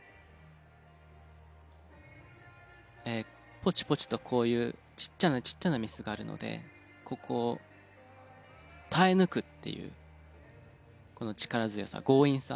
ポチポチとこういうちっちゃなちっちゃなミスがあるのでここを耐え抜くっていうこの力強さ強引さ。